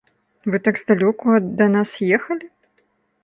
Вы так здалёку да нас ехалі?